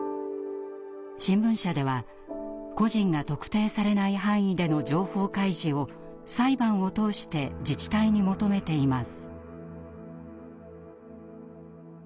新聞社では個人が特定されない範囲での情報開示を裁判を通して自治体に求めています。